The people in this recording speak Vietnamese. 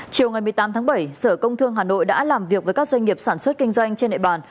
chiều một mươi tám bảy sở công thương hà nội đã làm việc với các doanh nghiệp sản xuất kinh doanh trên địa bàn